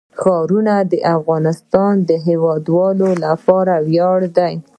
ښارونه د افغانستان د هیوادوالو لپاره ویاړ دی.